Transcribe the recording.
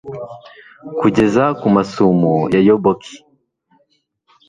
kugeza ku masumo ya yaboki